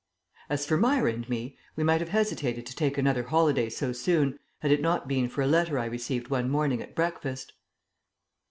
As for Myra and me, we might have hesitated to take another holiday so soon, had it not been for a letter I received one morning at breakfast.